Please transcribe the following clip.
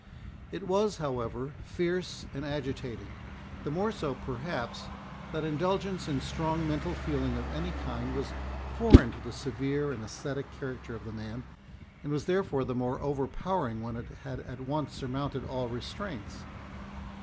It was, however, fierce and agitating, the more so, perhaps, that indulgence in strong mental feeling of any kind was foreign to the severe and ascetic character of the man, and was therefore the more overpowering when it had at once surmounted all restraints.